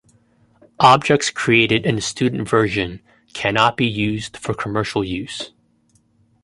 Objects created in the Student Version cannot be used for commercial use.